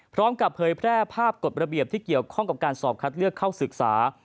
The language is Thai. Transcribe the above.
พร้อมกับเผยแพร่ภาพกฎระเบียบที่เกี่ยวข้องกับการสอบคัดเลือกเข้าศึกษา